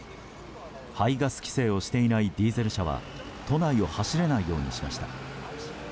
排ガス規制をしていないディーゼル車は都内を走れないようにしました。